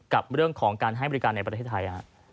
กับเรื่องของการให้บริการในประเทศไทย